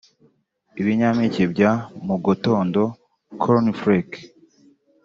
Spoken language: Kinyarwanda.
ibinyampeke bya mu gotondo (cornflakes)